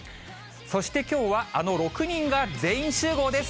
そしてきょうは、あの６人が全員集合です。